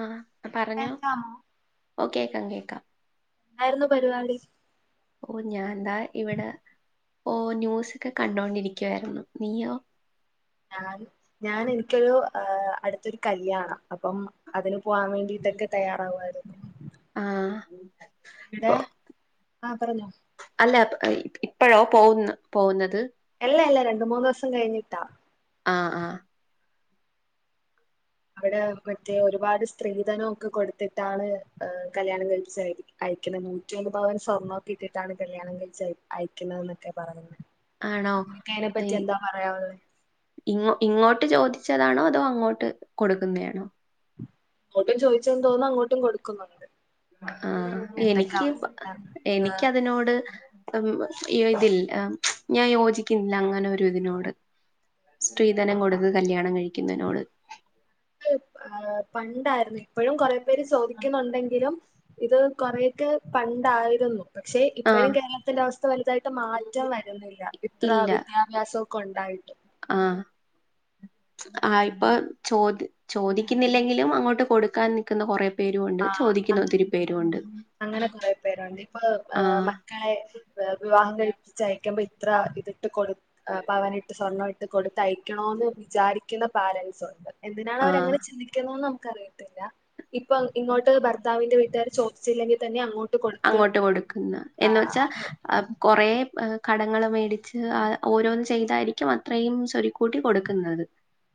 ആഹ് പറഞ്ഞോ കേൾക്കാമോ ഓ കേക്കാം കേക്കാം. ന്തായിർന്നു പരിപാടി ഓ ഞാൻതാ ഇവടെ ഓ ന്യൂസ് ഒക്കെ കണ്ടോണ്ടിരിക്കുവായിരുന്നു നീയോ ഞാൻ ഞാന് ഇനിക്കൊരു എഹ് അടുത്തൊരു കല്ല്യാണം അപ്പം അതിന് പോവാൻ വേ ണ്ടിട്ടൊക്കെ തയ്യാറാവുവായിരുന്നു. ആഹ് ഇടെ ഇപ്പൊ ആഹ് പറഞ്ഞോ അല്ല ഇപ്പോഴോ പോവുന്ന് പോവുന്നത്. എല്ല എല്ല രണ്ട് മൂന്നൂസം കഴിഞ്ഞിട്ടാ ആഹ് ആഹ് അവിടെ മറ്റേ ഒരുപാട് സ്ത്രീധനം ഒക്കെ കൊടുത്തിട്ടാണ് കല്യാണം കഴപ്പിച്ചായിരി അയക്ക്ന്നെ നൂറ്റ്യൊന്ന് പവൻ സ്വർണ്ണോക്കിട്ടിട്ടാണ് കല്യാണം കഴിച്ചയ് അയക്ക്ന്നതെന്നൊക്കെ പറയ്ന്നെ ആണോ ങ്ങക്കയ്നെ പ്പറ്റി എന്താ പറയാഉള്ളെ ഇങ്ങൊ ഇങ്ങോട്ട് ചോദിച്ചതാണോ അതോ അങ്ങോട്ട് കൊടുക്ക്ന്നെയാണോ ഇങ്ങോട്ടും ചോയ്ച്ചെന്ന് തോന്ന്ന്ന് അങ്ങോട്ടും കൊടുക്കുന്നുണ്ട് ആഹ് എന്തൊക്കെ എനിക്ക് അവസ്ഥയാണ് എനിക്കതിനോട് ഉം ഇവതില്ല ഞാൻ യോജിക്കുന്നില്ല അങ്ങനൊരിതിനോട് സ്ത്രീധനം കൊട്ത്ത് കല്യാണം കഴിക്കുന്നേനോട് ഏഹ് പണ്ടായ്ര്ന്ന് ഇപ്പഴും കൊറേ പേര് ചോദിക്കുന്നൊണ്ടെങ്കിലും ഇത് കൊറേയൊക്കെ പണ്ടായിര്ന്നു പക്ഷെ ഇപ്പഴും ആഹ് കേര്ളത്തിന്റെ അവസ്ഥ വലുതായിട്ട് മാറ്റം വരുന്നില്ല ഇത്ര ഇല്ല വിദ്യാ ഭ്യാസവൊക്കൊണ്ടായിട്ട് ആഹ് ആഹ് ഇപ്പ ചോദ് ചോദിക്കുന്നില്ലെങ്കിലും അങ്ങോട്ട് കൊടുക്കാൻ നി ക്കുന്ന കൊറേ പേരുവുണ്ട് ആ ചോദിക്കുന്ന അങ്ങനെ ഒത്തിരി പേരുവൊണ്ട് അങ്ങനെ കൊറെ പേരുണ്ട് ഇപ്പൊ ആഹ് മക്കളെ വിവാഹം കഴിപ്പിച്ചയക്കുമ്പോ ഇത്ര ഇതിട്ട് കൊടു പവനിട്ട് സ്വർണ്ണവിട്ട് ഇത് കൊടുത്തയക്കണോന്ന് വിചാരിക്ക്ന്ന പാരൻറ്സൊണ്ട് എന്തിനാണ് അവരങ്ങനെ ആഹ് ചിന്തിക്കുന്നൂന്ന് നമുക്കറി ഇപ്പൊ ഇങ്ങോട്ട് ഭർത്താവിന്റെ വീട്ട്കാര് ചോദിച്ചില്ലെങ്കി തന്നെ അങ്ങോട്ട് കൊടുത്ത് അങ്ങോട്ട് കൊടുക്കുന്ന ആ എന്ന് വെച്ചാ അത് കൊറേ കടങ്ങൾ മേടിച്ച് ഓരോന്ന് ചെയ്തായിര്ക്കും അത്രയും സൊര്ക്കൂട്ടി കൊടുക്കുന്നത്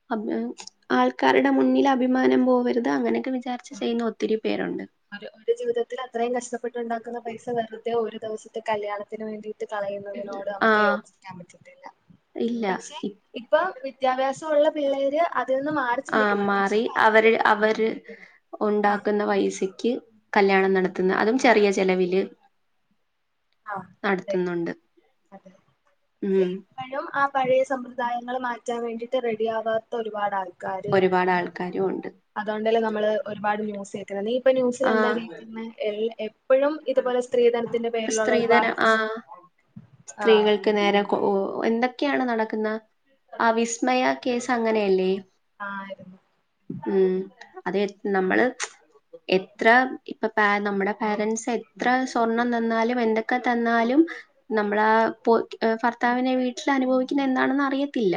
[unintelligible] ആൾക്കാരുടെ മുന്നിൽ അഭിമാനം പോവരുത് അങ്ങനെക്കെ വിചാരിച്ച് ചെയ്യുന്ന ഒത്തിരി പേരൊണ്ട് അവര് ജീവിതത്തിലത്രയും കഷ്ടപ്പെട്ട്ണ്ടാക്ക്ന്ന പൈസ വെർതെ ഒരു ദിവസത്തെ കല്യാണത്തിന് വേണ്ടി കളയുന്നതിനോട് നമുക്ക് ആഹ് യോജിക്കാൻ പറ്റത്തില്ല ഇല്ല പക്ഷെ ഇപ്പം വിദ്യാഭ്യാസവൊള്ള പിള്ളേര് അതിൽ നിന്ന് മാ ആഹ് മാറി അവര് അവര് ആഹ് ഒണ്ടാക്ക്ന്ന പൈസക്ക് കല്യാണം നടത്തുന്ന് അതും ചെറിയ ചെലവില് ആഹ് അതെ നടത്തുന്നൊണ്ട് ഉം പ്പഴും ആ പഴയ സമ്പ്രദായങ്ങൾ മാറ്റാൻ വേണ്ടീട്ട് റെഡി ആവാത്ത ഒരുപാട് ആൾ ഒരുപാട് ആൾക്കാരുവൊണ്ട് അതോണ്ടല്ലേ നമ്മള് ഒരുപാട് ന്യൂസ് കേക്ക്ന്നെ നീ ഇപ്പൊ ന്യൂസിൽ എന്താ ആഹ് കേക്ക്ന്നെ എൽ എ പ്പഴും ഇത്പോലെ സ്ത്രീധനത്തിന്റെ പേരിലൊള്ള ഒരുപാട് സ്ത്രീധനം പ്രശ്നം ആഹ് ക്ക് നേരെ എന്തൊക്കെയാണ് നടക്കുന്ന ആ വിസ്മയ കേസ് അങ്ങനെയല്ലേ ആഹ് ആയിര്ന്ന് ഉം അതെ നമ്മള് എത്ര ഇപ്പ പാ നമ്മുടെ പാരൻറ്സ് ത്ര സ്വർണം തന്നാലും എന്തൊക്കെ തന്നാലും നമ്മളാ ഭർത്താവിന്റെ വീട്ട്ലനുഭവിക്കുന്നെന്താണെന്നറിയത്തില്ല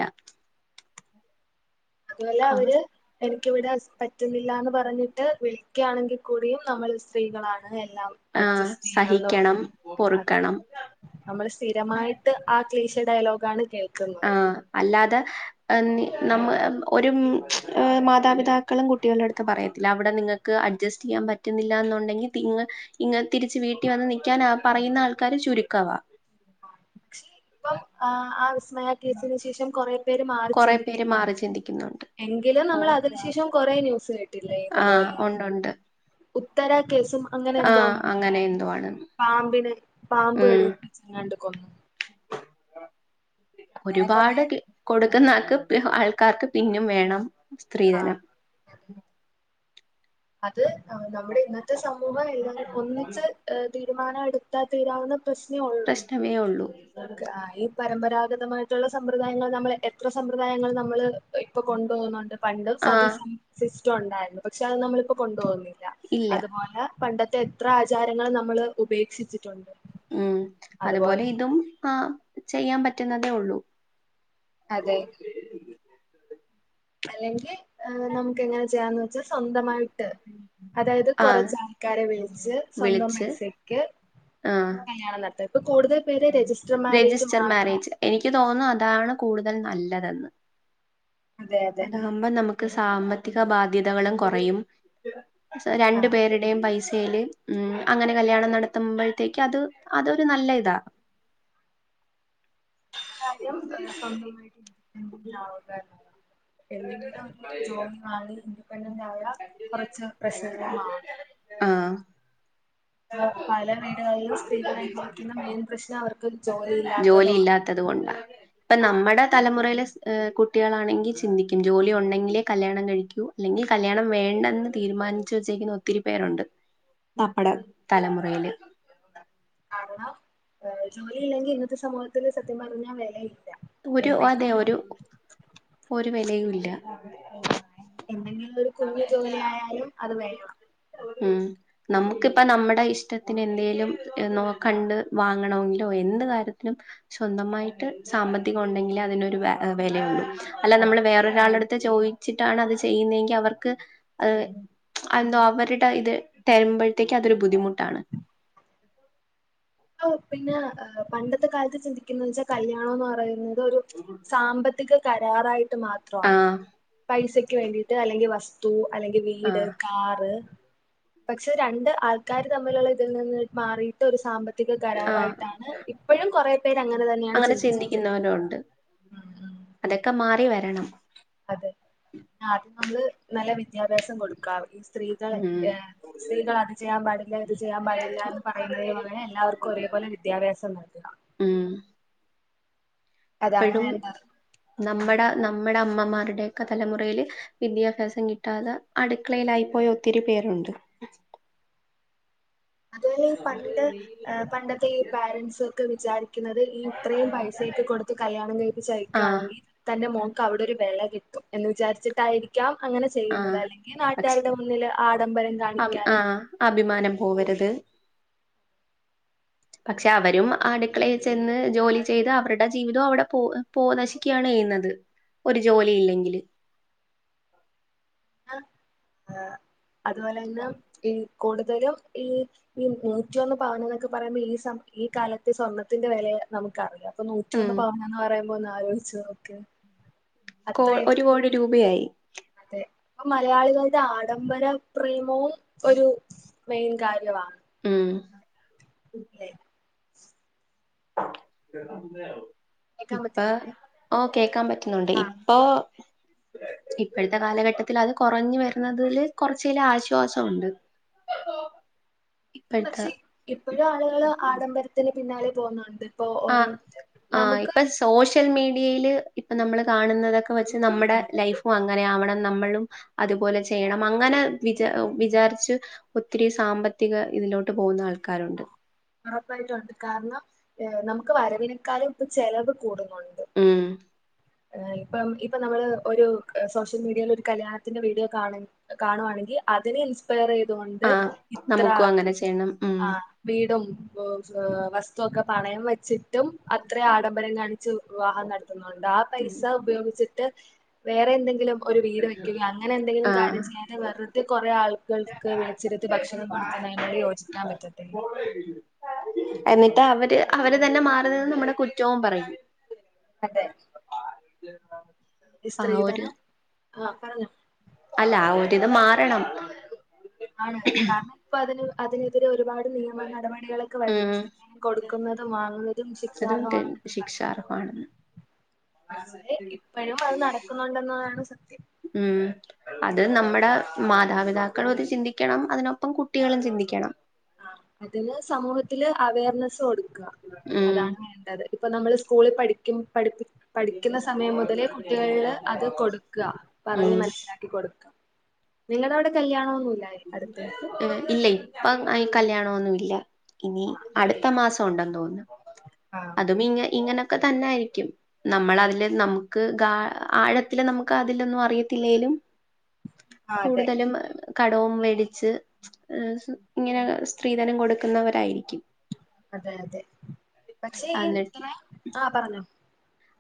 അവ അതുവല്ലവര് എനക്കിവിടെ പറ്റ്ന്നില്ലാന്ന് പറഞ്ഞിട്ട് വിളിക്ക്യാണെങ്കിൽ കൂടിയും നമ്മൾ സ്ത്രീകളാണ് എല്ലാം ആഹ് അഡ്ജസ്റ്റ് ചെയ്യണംന്ന് സഹിക്കണം പറഞ്ഞു അതെ പൊറുക്കണം നമ്മൾ സ്ഥിരമായിട്ട് ആ ക്ലീശെ ഡയലോഗാണ് കേൾക്ക് ആഹ് അല്ലാതെ നമ്മ ഒരു മാതാപിതാക്കളും കുട്ടിയൾടെട്ത്ത് പറയത്തില്ല അവിടെ നിങ്ങക്ക് അഡ്ജസ്റ്റ് ചെയ്യാൻ പറ്റ്ന്നില്ലാന്നൊണ്ടെങ്കി തി ഇങ്ങ് ഇങ്ങ് തിരിച്ച് വീട്ടീ വന്ന് നിക്കാൻ പറയ്ന്ന ആൾക്കാര് ചുരുക്കവാ പക്ഷെ ഇപ്പം ആ വിസ്മയ കേസിന് ശേഷം കൊറേ പേര് മാറി ചിന്തിക്കുന്നൊണ്ട് ചിന്തിക്കുന്നൊണ്ട് എങ്കിലും നമ്മൾ അതിനു ശേഷും കൊറേ ന്യൂസ് കേട്ടില്ലേ ആഹ് ഇത്പോലെ ഉണ്ട് ഉണ്ട് ഉത്തര കേസും അങ്ങനെ എന്തോ ആഹ് അങ്ങനെ എന്തോ ഒന്ന്ണ്ടായില്ലായിര്ന്നോ ആണ് പാമ്പിന് പാമ്പ് ഉം കടിച്ചെങ്ങാണ്ട് കൊന്ന് അങ്ങനെ കൊറേ ഒരുപാട് കൊടുക്കുന്ന ആൾക്ക് ആൾക്കാർക്ക് പിന്നും വേണം ആ സ്ത്രീധനം. അതെ അത് നമ്മുടെ ഇന്നത്തെ സമൂഹം എല്ലാവരും ഒന്നിച്ച് തീരുമാനം എടുത്താ തീരാവുന്ന പ്രശ്നേഒള്ളൂ തന്നെ ഉള്ളൂ ഈ പരമ്പരാഗതമായിട്ടുള്ള സമ്പ്രദായങ്ങൾ നമ്മള് എത്ര സമ്പ്രദായങ്ങള് നമ്മള് ഇപ്പൊ കൊണ്ടുപോകുന്നുണ്ട് പണ്ടും ആഹ് സതിസിസ്റ്റം ഒണ്ടായിരുന്നു പക്ഷെ അത് നമ്മളിപ്പൊകൊണ്ടു പോകുന്ന ഇല്ല അതുപോലെ പണ്ടത്തെ എത്ര ആചാരങ്ങും നമ്മള് ഉപേക്ഷിച്ചിട്ടുണ്ട്. ഉം അതുപോലെ ഇതും ആ ചെയ്യാൻ പറ്റുന്നതേ ഉള്ളൂ അതെ അല്ലെങ്കിൽ നമുക്ക് എങ്ങനെ ചെയ്യാന്ന് സ്വന്തമായിട്ട് അതായത് ആഹ് കൊറച്ച് ആൾക്കാരെ വിളച്ച് സ്വന്തം വിളിച്ച് പൈസ ക്ക്‌ ആഹ് കല്യാണം നടത്താം ഇപ്പൊ കൂടുതൽ പേരെ രജിസ്റ്റ്ർ രജിസ്റ്റർ മാരേജ് എനിക്ക് തോന്നുന്നു അതാണ് കൂടുതൽ നല്ലതെന്ന്. അതെ അതെ അതാവുമ്പോ നമ്മക്ക് സാമ്പത്തിക ബാധ്യതകളും കൊറയും സൊ രണ്ട് ആഹ് പേരു യും പൈസയില് ഉം അങ്ങനെ കല്യാണം നടത്തുമ്പോഴത്തേക്ക് അത് അതൊരു നല്ല ഇതാ. കാര്യം സ്വന്തമായിട്ട് ഇൻഡിെ [unintelligible] ൻഡറ് ആവുക എന്നതാണ് [unintelligible] എന്തെങ്കിലും ഒരു ജോലി മാറി ഇൻഡിപെൻഡന്റ് ആയാ കൊറച്ച് പ്രശ്നങ്ങൾള് മാറും. ആഹ് പല വീടുകളിലും സ്ത്രീകള് അനുഭവിക്കുന്ന മെയിൻ പ്രശ്നം അവർക്ക് ഒരു ജോലിയില്ലാത്തതുമാണ്. അതുകൊണ്ടാ ഇപ്പ നമ്മുടെ തലമുറയിലെ കുട്ടികളാണെങ്കിൽ ചിന്തിക്കും ജോലി ഒണ്ടെങ്കിലേ കല്യാണം കഴിക്കൂ. അല്ലെങ്കിൽ കല്യാണം വേണ്ടെന്ന് തീരുമാനിച്ചു വെച്ചിരിക്കുന്ന ഒത്തിരി പേരുണ്ട്. നമ്മുടെ തലമുറയില് കാരണം ജോലിയില്ലെങ്കിൽ ഇന്നത്തെ സമൂഹത്തിൽ സത്യം പറഞ്ഞാൽ വെലയില്ല. ഒരു അതെ ഒരു ഒരു വെലയുല്ല. എന്തെങ്കിലും ഒരു കുഞ്ഞു ജോലിയയാലും അത് വേണം. ഉം നമുക്കിപ്പ നമ്മുടെ ഇഷ്ടത്തിന് എന്തേങ്കലും കണ്ട് വാങ്ങണമെങ്കിലോ എന്ത് കാര്യത്തിനും- സ്വന്തമായിട്ട് സാമ്പത്തികം ഒണ്ടെങ്കിലേ അതിനൊരു വെലയുള്ളു. അല്ല അത് നമ്മള് വേറൊരാളുടെ അടുത്ത് ചോദിച്ചിട്ടാണ് അത് ചെയ്യുന്നതെങ്കിൽ അവർ നമുക്ക് എന്തോ അവരുടെ ഇത് തരുമ്പോഴത്തേക്ക് അതൊരു ബുദ്ധിമുട്ടാണ്. പിന്നെ പണ്ടത്തെ കാലത്ത് ചിന്തിക്കുന്ന വെച്ചാൽ കല്യാണം എന്ന് പറയുന്നത് ഒരു സാമ്പത്തി ഇതൊക്കെ കരാറായിട്ട് മാത്രമാണ് ആഹ് പൈസക്ക് വേണ്ടിട്ട് അല്ലെങ്കിൽ വസ്തു അല്ലെങ്കിൽ വീട് ആഹ് വീട് കാറ് പക്ഷെ രണ്ട് ആൾക്കാര് തമ്മിലുള്ള ഇതിൽ നിന്ന് മാറിട്ട് ഒരു സാമ്പത്തി ആഹ് കരാറായിട്ടാണ് ഇപ്പോഴും കൊറെ പേര് അങ്ങനെ തന്നെയാണ് അങ്ങനെ ചിന്തിച്ച വെച്ചത്. ചിന്തിക്കുന്നവരും ഉണ്ട് അതൊക്കെ മാറി വരണം. അതെ ആദ്യം നമ്മള് നല്ല വിദ്യാഭ്യാസം കൊടുക്കാം ഈ സ്ത്രീകളെ ഉം സ്ത്രീകള് അത് ചെയ്യാൻ പാടില്ല ഇത് ചെയ്യാൻ പാടില്ല എന്ന് പറയുന്നതിനു പോലെ എല്ലാവർക്കും ഒരേപോലെ വിദ്യാഭ്യസം [unintelligible] ഇപ്പോഴും നമ്മുടെ നമ്മുടെ അമ്മമാരുടെയൊക്കെ തലമുറയില് വിദ്യാഭ്യാസം കിട്ടാതെ അടുക്കളയിലായി പോയ ഒത്തിരി പേരുണ്ട്. അതുപേലെ ഈ പണ്ട് - പണ്ടത്തെ ഈ പാരൻസൊക്കെ വിചാരിക്കുന്നത് ഈ ഇത്രയും പൈസയൊക്കെ കൊടുത്ത് കല്യാണം കഴിപ്പിച്ച ആഹ് യാണെങ്കിൽ തന്റെ മോക്ക് അവിടെ ഒരു വെല കിട്ടും എന്ന് വിചാരിച്ചിട്ടായിരിക്കും. ക്കാം അങ്ങനെ ചെയ്യുന്നത് ആഹ് അല്ലെങ്കിൽ പക്ഷെ നാട്ടുകാരുടെ മുന്നില് ആഡംബരം അം കാണിക്കാനും. ആഹ് അഭിമാനം പോവരുത്. പക്ഷെ അവരും അടുക്കളയിൽ ചെന്ന് ജോലി ചെയ്ത് അവരുടെ ജീവിതവും അവിടെ പോവ പോ നശിക്കുകയാണ് ചെയ്യുന്നത് ഒരു ജോലി ഇല്ലെങ്കില് അതുപോലെ തന്ന ഈ കൂടുതലും ഈ ഈ നൂറ്റിയൊന്ന് പവന എന്നൊക്കെ പറയുമ്പൊ ഈ ഈ കാലത്തെ സ്വർണത്തിന്റെ വിലയെ നമുക്കറിയാം ഇപ്പൊ നൂറ്റി ഉം ഒന്ന് പവനന്ന് പറയുമ്പൊ ഒന്ന് ആലോചിച്ചു നോക്കെ കോ ഒരു കോടി രൂപയായി അതെ അപ്പൊ മലയാളികളുടെ ആഡംബര പ്രേമവും ഒരു മെയിൻ കാര്യവാ ഉം അല്ലെ കേക്കാൻ ഇപ്പൊ പറ്റുന്നില്ലേ ആ കേക്കാൻ പറ്റുന്നുണ്ട് ഇപ്പൊ ഇപ്പഴത്തെ കാലഘട്ടത്തിൽ അത് കൊറഞ്ഞ് വരുന്നതില് കൊറച്ചില ആശ്വാസംണ്ട് പക്ഷെ ഇപ്പഴും ആളുകള് ആഡംമ്പ രത്തിന് പിന്നാലെ പോകുന്നുണ്ട് ഇപ്പൊ ഓരോ ആഹ് ആഹ് നമുക്ക് ഇപ്പ സോഷ്യൽ മീഡിയയില് ഇപ്പം നമ്മൾ കാണുന്നതൊക്കെ വെച്ച് നമ്മുടെ ലൈഫും അങ്ങനെ ആവണം നമ്മളും അതുപോലെ ചെയ്യണം അങ്ങനെ വിച വിചാരിച്ചു ഒത്തിരി സാമ്പത്തിക ഇതിലോട്ട് പോകുന്ന ആൾക്കാരുണ്ട് ഉറപ്പായിട്ടുണ്ട് കാരണം നമുക്ക് വരവിനെക്കാലും ചെലവ് കൂടുന്നുണ്ട് ഉം ഇപ്പം ഇപ്പൊ നമ്മള് ഒരു സോഷ്യൽ മീഡിയയിൽ ഒരു കല്യാണത്തിന്റെ വീഡിയോ കാണ കാണുവാണെങ്കിൽ അതിനെ ഇൻസ്പെയർ ചെയ്തുകൊണ്ട് ആഹ് ഇത്ര നമുക്കും അങ്ങനെ ചെയ്യണം ഉ ആ വീടും വസ്ത്തുവൊക്കെ പണയം വെച്ചിട്ടും അത്ര ആഡംബരം കാണി വിവാഹം നടത്തുന്നുണ്ട് ആ പൈസ ഉപയോഗിച്ചിട്ട് വേറെ എന്തെങ്കിലും ഒരു വീട് വെക്കുക അങ്ങനെ എന്തെങ്കിലും ആഹ് കാര്യം ചെയ്യാൻ വെറുതെ കുറെ ആള്കൾക്ക് വിളിച്ചിരുത്തി ഭക്ഷണം കൊടുക്കുന്നതിനോട് യോജിക്കാൻ പറ്റും എന്നിട്ട് അവര് അവര് തന്നെ മാറി നിന്ന് നമ്മുടെ കുറ്റവും പറയും അതെ ആഹ് സ്ത്രീധനം ആഹ് പറഞ്ഞോ അല്ല ഒരിത് മാറണം ആണ് കാരണം ഇപ്പൊ അതിന് അതിനെതിരെ ഒരുപാട് നിയമ നടപടികളൊക്കെ ഉം വരുന്നുണ്ട് സ്ത്രീധനം കൊടുക്കുന്നതും വാങ്ങുന്നതും ശിക്ഷാർഹമാണെന്ന് ശിക്ഷാർഹമാണെന്ന് പക്ഷെ ഇപ്പഴും അത് നടക്കുന്നുണ്ടെന്നതാണ് സത്യം ഉം അത് നമ്മുടെ മാതാപിതാക്കള് മത് ചിന്തിക്കണം അതിനൊപ്പം കുട്ടികളും ചിന്തിക്കണം അതിന് സമൂഹത്തില് അവയർനെസ് കൊടുക്ക ഉം അതാണ് വേണ്ടത് ഇപ്പൊ നമ്മള് സ്കൂളിൽ പഠിക്കും പഠിപ്പി പഠിക്കുന്ന സമയം മുതലേ കുട്ടികളില് അത് കൊടുക്ക ഉം പറഞ്ഞ് മനസ്സിലാക്കി കൊടുക്ക നിങ്ങള അവിടെ കല്യാണം ഒന്നു ഇല്ലേ ഇല്ല ഇപ്പ കല്ല്യാണോന്നും ഇല്ല ഇനി ആഹ് അടുത്ത മാസം ഉണ്ടെന്ന് തോന്നുന്നു ആഹ് അതും ഇങ്ങ ഇങ്ങനെയൊക്കെ തന്നെ ആയിരിക്കും നമ്മൾ അതില് നമുക്ക് ഗ ആഴത്തില് നമുക്ക് അതിലൊന്നും അറിയത്തില്ലേലും അതെ കൂടുതലും കടവും വേടിച്ച് ഇങ്ങനെ സ്ത്രീധനം കൊടുക്കുന്നവരായിരിക്കും അതെ അതെ പക്ഷെ ഈ എന്നിട്ട് ഇത്ര ആഹ് പറഞ്ഞോ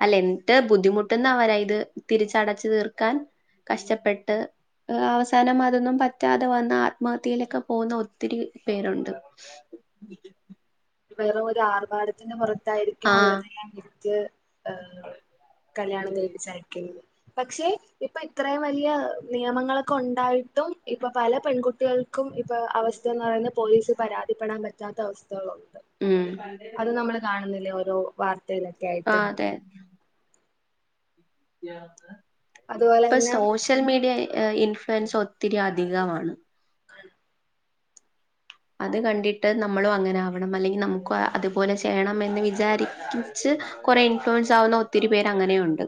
അല്ല എന്ന്ട്ട് ബുദ്ധിമുട്ടുന്ന അവരാ ഇത് തിരിച്ചടച്ചു തീർക്കാൻ കഷ്ടപ്പെട്ട് ഇഹ് അവസാനം അതൊന്നും പറ്റാതെ വന്ന ആത്മഹത്യയിലൊക്കെ പോകുന്ന ഒത്തിരി പേരുണ്ട്. വെറും ഒരു ആർഭാടത്തിന്റെ പുറത്തായിരിക്കും ആഹ് ഉള്ളതെല്ലാം വിറ്റ് ഏഹ് കല്യാണം കഴിപ്പിച്ചയക്ക്‌ന്ന് പക്ഷെ ഇപ്പൊ ഇത്രയും വലിയ നിയമങ്ങളൊക്കെ ഉണ്ടായിട്ടും ഇപ്പൊ പല പെൺകുട്ടികൾ ക്കും ഇപ്പൊ അവസ്ഥ എന്ന് പറയുന്നത് പോലീസ് പരാതിപ്പെടാൻ പറ്റാത്ത അവസ്ഥകളൊന്ന് ഉം അത് നമ്മള് കാണുന്നില്ലേ ഓരോ വാർത്തയിലൊക്കെ ആയിട്ട് ആഹ് അതെ അതുപോലെ ഇപ്പൊ തന്നെ സോഷ്യൽ മീഡിയ ഇൻഫ്ലുവൻസ് ഒത്തിരി അധികമാണ്. ആണ് അത് കണ്ടിട്ട് നമ്മളും അങ്ങനെ ആവണം അല്ലെങ്കിൽ നമുക്ക് അതുപോലെ ചെയ്യണം എന്ന് വിചാരിക്ക്‌ ച്ച് കൊറേ ഇൻഫ്ലുവൻസ് ആവുന്ന ഒത്തിരി പേര് അങ്ങനെയുണ്ട്.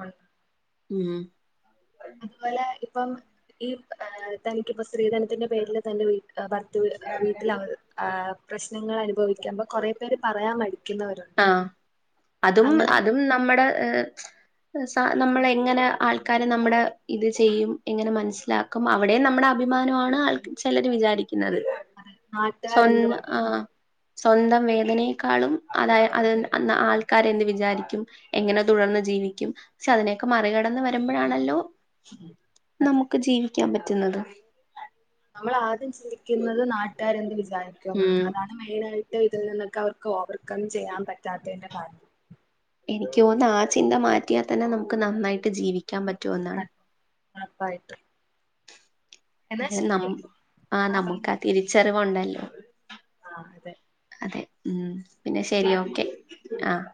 ഉണ് ഉം അതുപോലെ ഇപ്പം ഈ ഏഹ് തനിക്കിപ്പോ സ്ത്രീധനത്തിന്റെ പേരില് തന്റെ വീട്ട് എഹ് ഭർ ത്ത് വീട്ടില് അ പ്രശ്നങ്ങൾ അനുഭവിക്ക്മ്പോ കൊറേ പേര് പറയാൻ മടി ആഹ് അതും അതും നമ്മുടെ ഏഹ് സ നമ്മളെങ്ങനെ ആൾക്കാരെ നമ്മടെ ഇത് ചെയ്യും എങ്ങനെ മനസ്സിലാ ക്കും അവിടെയും നമ്മടെ അഭിമാനമാണ് ആഹ് ചെലര് വിചാരിക്കുന്നത്. അതെ സ്വ നാട്ടുകാരെന്ത് പറയും ആഹ് സ്വന്തം വേദനയെക്കാളും അതായെ അത് അന്ന് ആൾക്കാർ എന്ത് വിചാരിക്കും എങ്ങനെ തുടർന്ന് ജീവിക്കും പക്ഷെ അതിനെയൊക്കെ മറികടന്ന് വരുമ്പഴാണല്ലോ അതെ നമുക്ക് ജീവിക്കാൻ പറ്റുന്നത്. നമ്മളാദ്യം ചിന്തിക്കുന്നത് നാട്ടാര് എന്ത് വിചാരിക്കുമെന്നാണ് ഉം അതാണ് ത് മെയ്നായിട്ട് ഇതിൽ നിന്നൊക്കെ അവർക്ക് ഓവർകം ചെയ്യാൻ പറ്റാത്തേന്റെ കാരണം. എനിക്ക് തോന്ന് ആ ചിന്ത മാറ്റിയാൽ തന്നെ നമുക്ക് നന്നായിട്ട് ജീവിക്കാൻ പറ്റുമെന്നാണ്. അതെ, ഉറപ്പായിട്ടും എന്നാ ഇതിന് നം ശരി ആഹ് ആ നമുക്കാ തിരിച്ചറിവുണ്ടല്ലോ ആഹ് അതെ അതെ ഉം പിന്നെ ശരി ശരിയപ്പോ ഓക്കെ ആഹ്